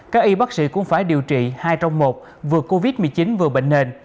các y bác sĩ cũng phải điều trị hai trong một vừa covid một mươi chín vừa bệnh nền